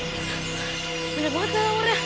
bener banget kau lawarnya